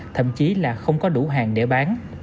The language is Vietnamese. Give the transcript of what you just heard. thậm chí là không có đủ hàng để bán